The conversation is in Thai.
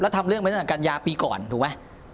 ทำเรื่องไปตั้งแต่กัญญาปีก่อนถูกไหม